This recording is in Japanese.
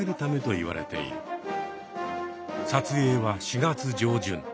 撮影は４月上旬。